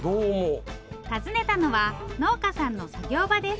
訪ねたのは農家さんの作業場です。